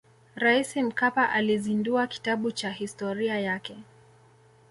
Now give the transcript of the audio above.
raisi mkapa alizindua kitabu cha historia yake